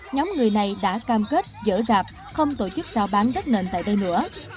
nhóm người này đã cam kết dở rạp không tổ chức rao bán đất nền tại đây nữa